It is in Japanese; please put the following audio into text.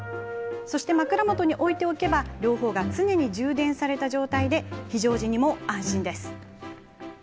枕元に置いておけば両方が常に充電された状態で非常時に安心です。